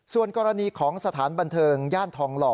ส่วนกรณีของสถานบันเทิงย่านทองหล่อ